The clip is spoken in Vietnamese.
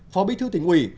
phó bí thư tỉnh ủy